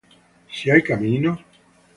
Si Hay Caminos.